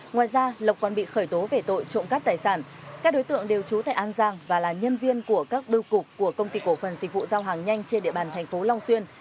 ngoài ra lộc còn bị khởi tố về tội trộm cắt tài sản các đối tượng đều trú tại an giang và là nhân viên của các bưu cục của công ty cổ phần dịch vụ giao hàng nhanh trên địa bàn thành phố long xuyên